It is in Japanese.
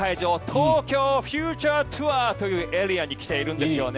東京フューチャーツアーというエリアに来ているんですね。